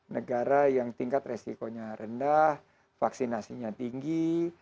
negara yang tingkat resikonya rendah vaksinasinya tinggi